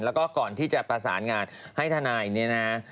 แล้วก็ก่อนที่จะประสานงานให้ทนายเนี่ยนะฮะ